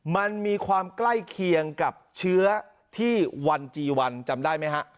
มันมีความใกล้เคียงกับเชื้อที่วันจีวันจำได้ไหมฮะ